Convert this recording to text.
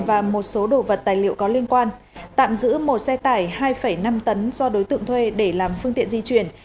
và một số đồ vật tài liệu có liên quan tạm giữ một xe tải hai năm tấn do đối tượng thuê để làm phương tiện di chuyển